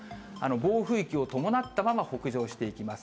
暴風域を伴ったまま北上していきます。